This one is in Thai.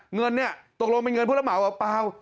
เงินเนี่ยตกลงเป็นเงินผู้รับเหมาหรือเปล่า